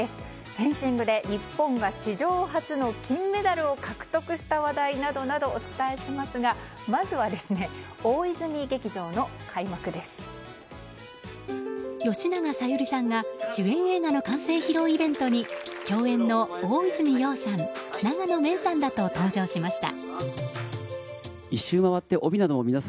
フェンシングで日本が史上初の金メダルを獲得した話題などなどお伝えしますが吉永小百合さんが主演映画の完成披露イベントに共演の大泉洋さん永野芽郁さんらと登場しました。